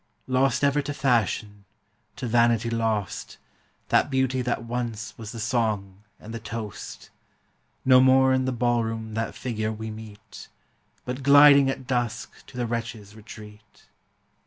Lost ever to fashion, to vanity lost, That beauty that once was the song and the toast, No more in the ball room that figure we meet, But gliding at dusk to the wretch's retreat.